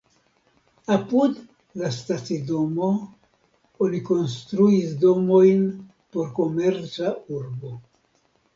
Apud la stacidomo oni konstruis domojn por komerca urbo.